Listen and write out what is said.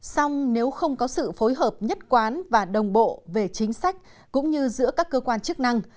xong nếu không có sự phối hợp nhất quán và đồng bộ về chính sách cũng như giữa các cơ quan chức năng